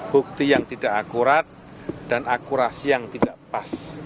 bukti yang tidak akurat dan akurasi yang tidak pas